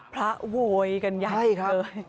พระโวยกันใหญ่เกิน